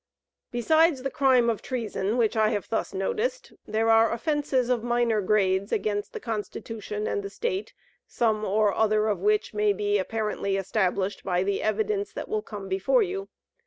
Besides the crime of treason, which I have thus noticed, there are offences of minor grades, against the Constitution and the State, some or other of which may be apparently established by the evidence that will come before you.